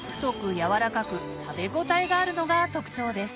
柔らかく食べ応えがあるのが特徴です